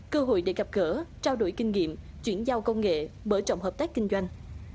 cơ hội để gặp gỡ trao đổi kinh nghiệm chuyển giao công nghệ mở trọng hợp tác kinh doanh